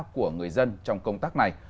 của người dân trong công tác này